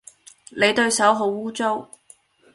你對手好污糟